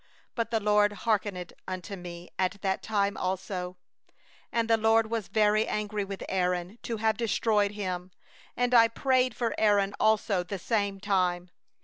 But the LORD hearkened unto me that time also. 20Moreover the LORD was very angry with Aaron to have destroyed him; and I prayed for Aaron also the same time.